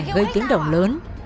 gây tiếng động lớn